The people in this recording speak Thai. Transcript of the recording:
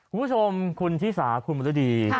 คุณผู้ชมคุณชิสาคุณมรดี